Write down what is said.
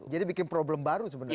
jadi bikin problem baru sebenarnya